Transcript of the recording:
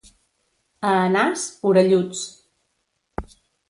A Anàs, orelluts.